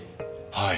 はい。